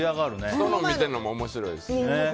人のを見てるのも面白いですし。